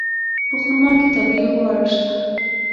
په خرما کې طبیعي غوړ شته.